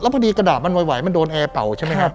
แล้วพอดีกระดาษมันไวมันโดนแอร์เปล่า